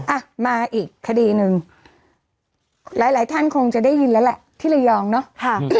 อ่ะมาอีกคดีนึงหลายท่านคงจะได้ยินแล้วแหละที่ละยองเนาะ